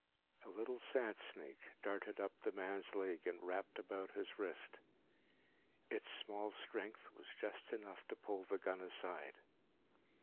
A little sandsnake darted up the man's leg and wrapped about his wrist. Its small strength was just enough to pull the gun aside.